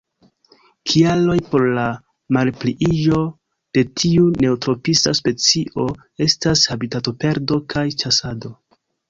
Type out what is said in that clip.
Kialoj por la malpliiĝo de tiu neotropisa specio estas habitatoperdo kaj ĉasado.